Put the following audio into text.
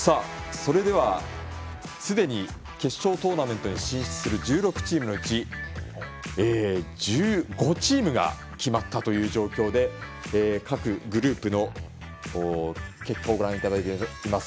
それでは、すでに決勝トーナメントに進出する１６チームのうち１５チームが決まったという状況で各グループの結果をご覧いただいています。